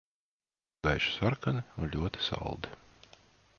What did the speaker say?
Gaiši sarkani un ļoti saldi.